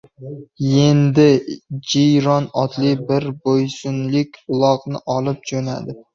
Yendi Jiyron otli bir boysunlik uloqni olib jo‘nadi.